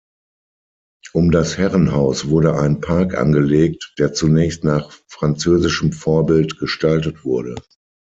Um das Herrenhaus wurde ein Park angelegt, der zunächst nach französischem Vorbild gestaltet wurde.